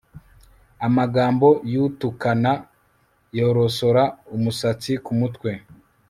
amagambo y'utukana yorosora umusatsi ku mutwe